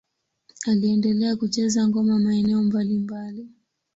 Aliendelea kucheza ngoma maeneo mbalimbali.